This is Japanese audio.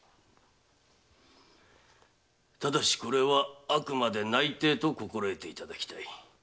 ただしこれはあくまで内定と心得ていただきたい。